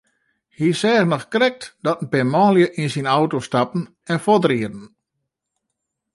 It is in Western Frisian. Hy seach noch krekt dat in pear manlju yn syn auto stapten en fuortrieden.